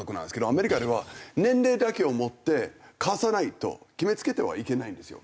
アメリカでは年齢だけをもって貸さないと決め付けてはいけないんですよ。